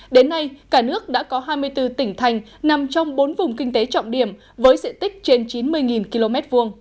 đến nay cả nước đã có hai mươi bốn tỉnh thành nằm trong bốn vùng kinh tế trọng điểm với diện tích trên chín mươi km hai